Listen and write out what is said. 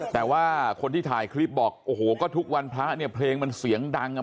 แต่ว่าคนที่ถ่ายคลิปบอกโอ้โหก็ทุกวันพระเนี่ยเพลงมันเสียงดังอ่ะ